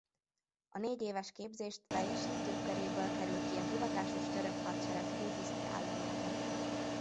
A négyéves képzést teljesítők köréből kerül ki a hivatásos török hadsereg főtiszti állománya.